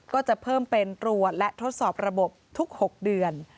ก็จะเพิ่มเป็นตรวจและทดสอบระบบทุก๖เดือน